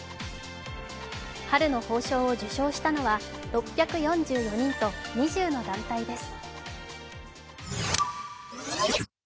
春の褒章を受章したのは６４４人と２０の団体です。